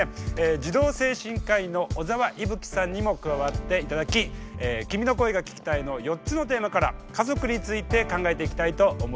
児童精神科医の小澤いぶきさんにも加わっていただき「君の声が聴きたい」の４つのテーマから家族について考えていきたいと思います。